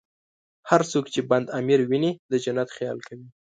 هر څوک چې بند امیر ویني، د جنت خیال کوي.